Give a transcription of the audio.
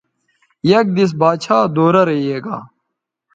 یک دیس باچھا دورہ رے یے گا